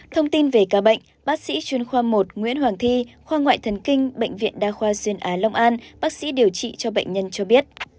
thông tin về ca bệnh bác sĩ chuyên khoa một nguyễn hoàng thi khoa ngoại thần kinh bệnh viện đa khoa duyên á long an bác sĩ điều trị cho bệnh nhân cho biết